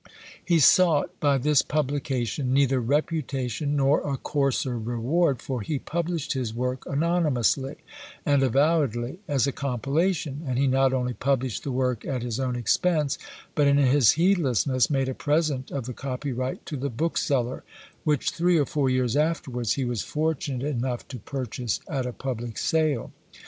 He sought by this publication neither reputation nor a coarser reward, for he published his work anonymously, and avowedly as a compilation; and he not only published the work at his own expense, but in his heedlessness made a present of the copyright to the bookseller, which three or four years afterwards he was fortunate enough to purchase at a public sale.